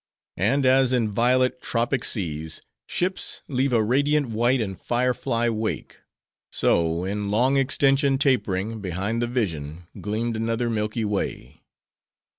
And as in violet, tropic seas, ships leave a radiant white, and fire fly wake; so, in long extension tapering, behind the vision, gleamed another Milky Way.